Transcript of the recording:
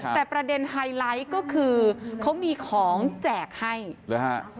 แต่ประเด็นไฮไลท์ก็คือเขามีของแจกให้หรือฮะ